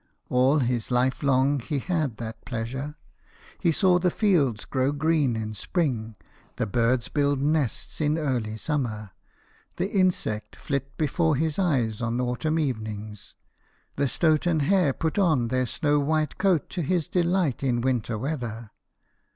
All his life long he had that pleasure : he saw the fields grow green in spring, the birds build nests in early summer, the insects flit before his eyes on autumn evenings, the stoat and hare put on their snow white coat to ais delight in winter weather.